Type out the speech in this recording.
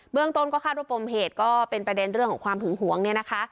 เรื่องต้นก็คาดว่าปมเหตุก็เป็นประเด็นเรื่องของความหึงหวงเนี่ยนะคะ